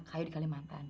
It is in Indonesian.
kaya di kalimantan